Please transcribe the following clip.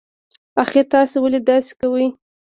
اخر تاسي ولې داسی کوئ